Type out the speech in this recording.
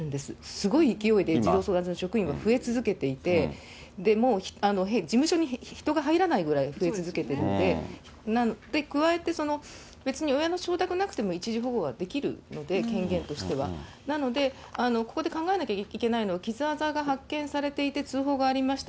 すごい勢いで児童相談所の職員が増え続けていて、事務所に人が入らないぐらい増え続けているので、加えて、別に親の承諾はなくても、一時保護はできるので、権限としては、なので、ここで考えなきゃいけないのは、傷あざが発見されていて、通報がありました。